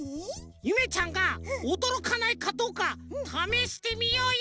ゆめちゃんがおどろかないかどうかためしてみようよ！